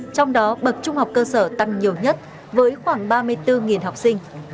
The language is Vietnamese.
trong đó bậc trung học cơ sở tăng nhiều nhất với khoảng ba mươi bốn học sinh